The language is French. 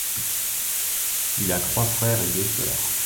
Il a trois frères et deux sœurs.